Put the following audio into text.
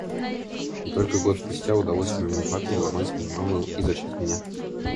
И только год спустя удалось моему папе уломать мою маму и зачать меня.